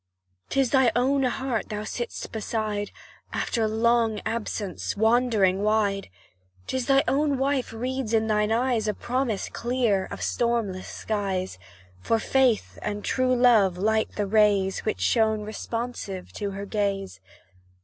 'Tis thy own hearth thou sitt'st beside, After long absence wandering wide; 'Tis thy own wife reads in thine eyes A promise clear of stormless skies; For faith and true love light the rays Which shine responsive to her gaze.